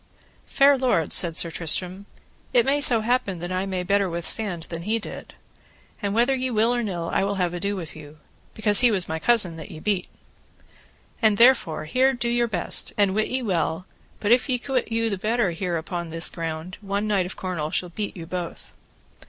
Fair lords, said Sir Tristram, it may so happen that I may better withstand than he did, and whether ye will or nill I will have ado with you, because he was my cousin that ye beat. And therefore here do your best, and wit ye well but if ye quit you the better here upon this ground, one knight of Cornwall shall beat you both.